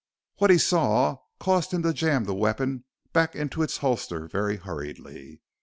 What he saw caused him to jam the weapon back into its holster very hurriedly.